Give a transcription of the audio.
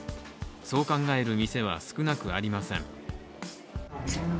そう考える店は少なくありません。